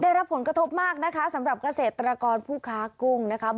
ได้รับผลกระทบมากนะคะสำหรับเกษตรกรผู้ค้ากุ้งนะคะ